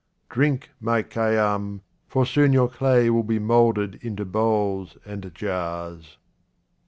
Drink, my Khayyam, for soon your clay will be moulded into bowls and jars.